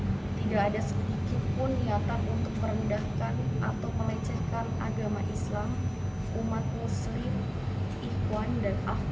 tidak ada sedikit pun niatan untuk merendahkan atau melecehkan agama islam